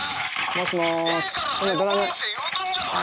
☎もしもし。